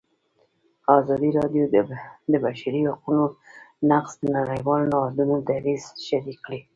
ازادي راډیو د د بشري حقونو نقض د نړیوالو نهادونو دریځ شریک کړی.